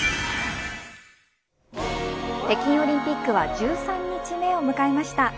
北京オリンピックは１３日目を迎えました。